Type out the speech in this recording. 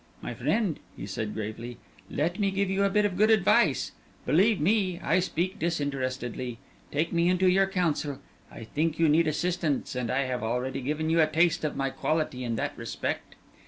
"My friend," he said gravely, "let me give you a bit of good advice. Believe me, I speak disinterestedly. Take me into your counsel. I think you need assistance and I have already given you a taste of my quality in that respect.